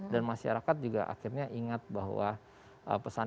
dan masyarakat juga akhirnya ingat bahwa